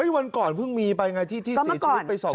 วันก่อนเพิ่งมีไปไงที่เสียชีวิตไป๒คน